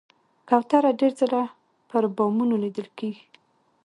کوتره ډېر ځله پر بامونو لیدل کېږي.